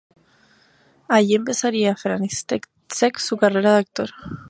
Allí empezaría František Čech su carrera de actor.